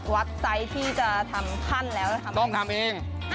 วัดไซส์ที่จะทำขั้นแล้วต้องทำเอง